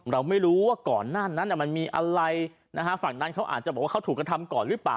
เราไม่รู้ว่าก่อนหน้านั้นมันมีอะไรนะฮะฝั่งนั้นเขาอาจจะบอกว่าเขาถูกกระทำก่อนหรือเปล่า